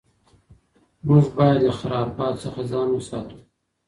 موږ باید له خرافاتو څخه ځان وساتو.